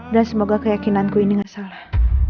dan semoga keyakinanku ini gak salah